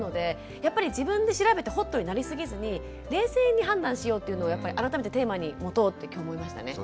やっぱり自分で調べてホットになりすぎずに冷静に判断しようっていうのを改めてテーマに持とうって今日思いましたね。